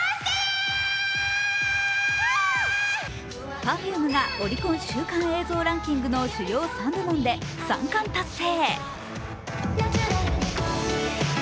Ｐｅｒｆｕｍｅがオリコン週間映像ランキングの主要３部門で３冠達成。